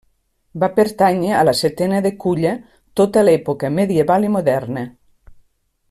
Va pertànyer a la setena de Culla tota l'època medieval i moderna.